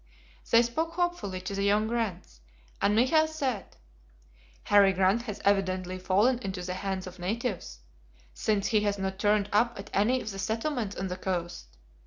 They spoke hopefully to the young Grants, and Michael said: "Harry Grant has evidently fallen into the hands of natives, since he has not turned up at any of the settlements on the coast.